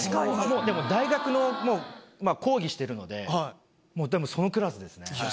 でも大学の講義してるのででもそのクラスですね。